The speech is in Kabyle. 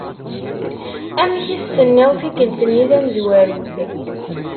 Amek i s-tenniḍ tikkelt-nni tamezwarut?